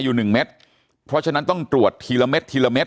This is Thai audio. อยู่หนึ่งเม็ดเพราะฉะนั้นต้องตรวจทีละเม็ดทีละเม็